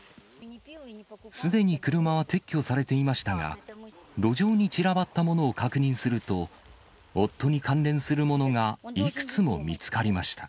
すでに車は撤去されていましたが、路上に散らばったものを確認すると、夫に関連するものがいくつも見つかりました。